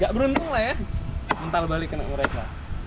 gak beruntung lah ya mental balik kena mereka